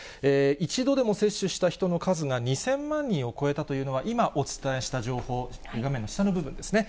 １度でも接種した人の数が２０００万人を超えたというのは、今お伝えした情報、画面の下の部分ですね。